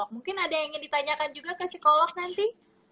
mungkin ada yang ingin ditanyakan juga ke psikolog nanti